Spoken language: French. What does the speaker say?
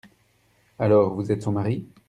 Alors, vous êtes son mari ?